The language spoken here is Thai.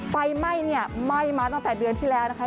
ไฟไหม้เนี่ยไหม้มาตั้งแต่เดือนที่แล้วนะคะ